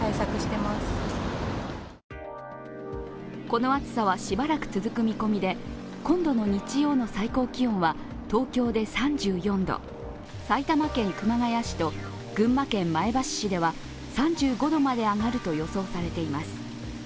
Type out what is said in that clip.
この暑さはしばらく続く見込みで今度の日曜の最高気温は東京で３４度、埼玉県熊谷市と群馬県前橋市では３５度まで上がると予想されています。